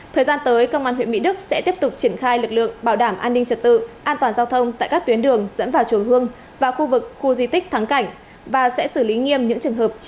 thời gian tới công an huyện mỹ đức sẽ tiếp tục triển khai lực lượng bảo đảm an ninh trật tự an toàn giao thông tại các tuyến đường dẫn vào chùa hương và khu vực khu di tích thắng cảnh và sẽ xử lý nghiêm những trường hợp